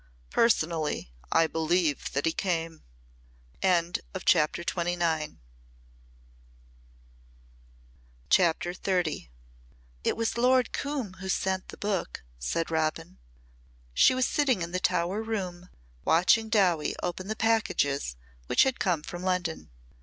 Personally I believe that he came." CHAPTER XXX "It was Lord Coombe who sent the book," said Robin. She was sitting in the Tower room, watching Dowie open the packages which had come from London.